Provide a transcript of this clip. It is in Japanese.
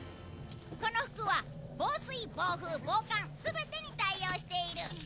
この服は防水防風防寒全てに対応している。